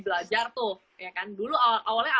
belajar tuh dulu awalnya